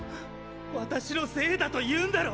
私のせいだと言うんだろ